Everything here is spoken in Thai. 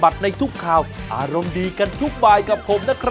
ไปเริ่ม